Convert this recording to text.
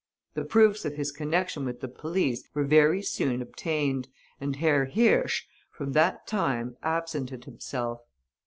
The proofs of his connection with the police were very soon obtained, and Herr Hirsch, from that time, absented himself.